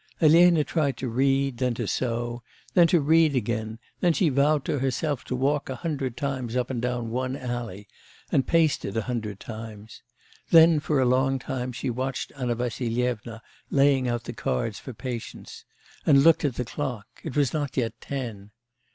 Elena tried to read, then to sew, then to read again, then she vowed to herself to walk a hundred times up and down one alley, and paced it a hundred times; then for a long time she watched Anna Vassilyevna laying out the cards for patience... and looked at the clock; it was not yet ten.